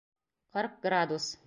Ҡырк градус!